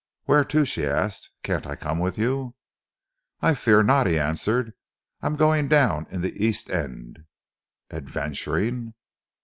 "Where to?" she asked. "Can't I come with you?" "I fear not," he answered. "I am going down in the East End." "Adventuring?"